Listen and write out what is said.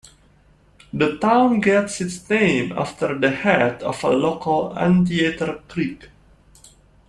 The town gets its name after the head of a local anteater creek.